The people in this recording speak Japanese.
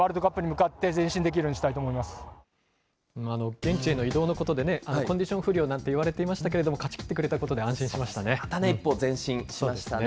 現地への移動のことでコンディション不良なんていわれていましたけれども、勝ち切ってくれたことで安心しましたね。